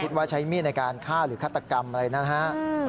ว่าใช้มีดในการฆ่าหรือฆาตกรรมอะไรนะฮะ